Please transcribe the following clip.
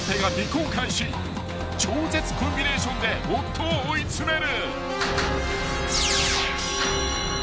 ［超絶コンビネーションで夫を追い詰める］